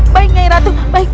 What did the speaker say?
baik nyai ratu baik